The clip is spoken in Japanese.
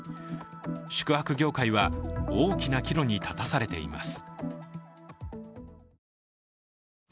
宿泊業界は大きな岐路に立たされています。